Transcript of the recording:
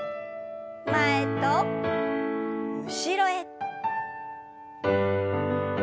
前と後ろへ。